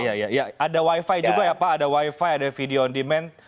iya iya ada wifi juga ya pak ada wifi ada video on demand